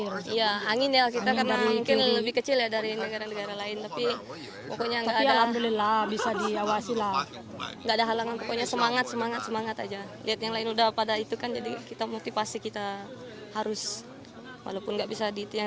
rizka andriani anggota tiongkok berkata